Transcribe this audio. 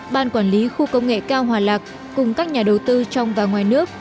ban quản lý khu công nghệ cao hòa lạc cùng các nhà đầu tư trong và ngoài nước